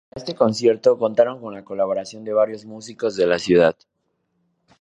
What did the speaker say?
Para este concierto contaron con la colaboración de varios músicos de la ciudad.